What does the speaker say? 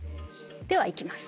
ではいきます。